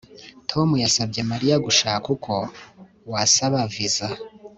Tom yasabye Mariya gushaka uko wasaba viza